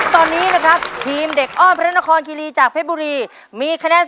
ตอนนี้นะครับทีมเด็กอ้อม